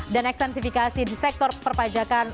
dan extensifikasi di sektor perpajakan